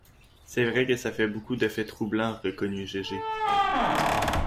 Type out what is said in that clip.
C’est vrai que ça fait beaucoup de faits troublants, reconnut Gégé.